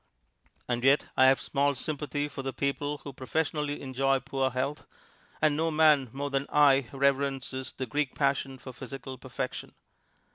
And yet I have small sympathy for the people who professionally enjoy poor health, and no man more than I reverences the Greek passion for physical perfection.